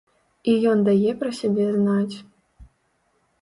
І ён дае пра сябе знаць.